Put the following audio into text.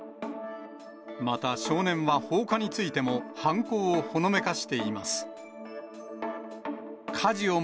また、少年は放火についても犯行をほのめかしています。